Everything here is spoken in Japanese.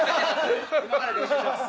今から練習します。